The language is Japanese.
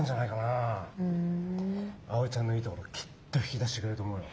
あおいちゃんのいいところきっと引き出してくれると思うよ。